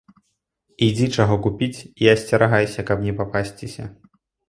Ідзі чаго купіць і асцерагайся, каб не папасціся.